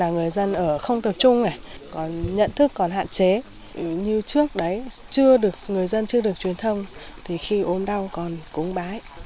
người dân chưa được truyền thông thì khi ốm đau còn cúng bái